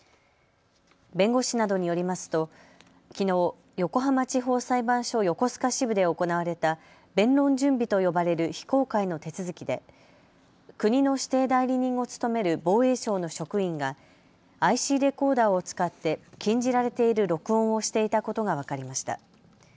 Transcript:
弁護士などによりますと、きのう横浜地方裁判所横須賀支部で行われた弁論準備と呼ばれる非公開の手続きで国の指定代理人を務める防衛省の職員がＩＣレコーダーを使って禁じられている録音をしていたことが分かりました。